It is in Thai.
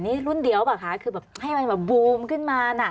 นี่รุ่นเดียวเปล่าคะคือแบบให้มันแบบบูมขึ้นมาน่ะ